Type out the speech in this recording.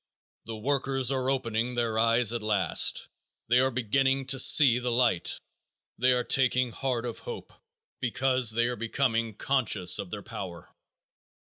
The workers are opening their eyes at last. They are beginning to see the light. They are taking heart of hope because they are becoming conscious of their power.